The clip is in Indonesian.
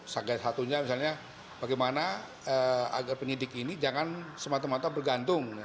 satunya misalnya bagaimana agar penyidik ini jangan semata mata bergantung